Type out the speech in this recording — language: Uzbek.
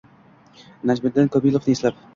Najmiddin Komilovni eslab...